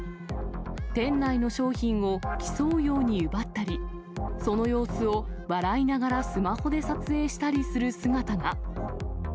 店内の商品を競うように奪ったり、その様子を笑いながらスマホで撮影したりする姿が。